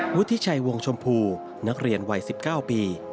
วุฒิชัยวงชมพูนักเรียนวัย๑๙ปี